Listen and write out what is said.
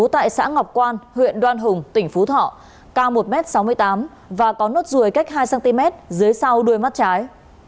tại xã ngọc quan huyện đoan hùng tỉnh phú thọ cao một m sáu mươi tám và có nốt ruồi cách hai cm dưới sau đuôi mắt trái